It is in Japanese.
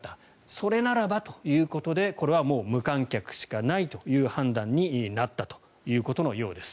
それならばということでこれはもう無観客しかないという判断になったということのようです。